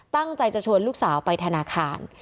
ตั้งใจจะชวนลูกสาวไปธนาคาร